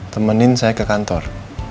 temenin saya ke kantor